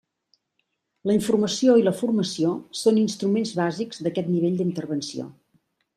La informació i la formació són instruments bàsics d'aquest nivell d'intervenció.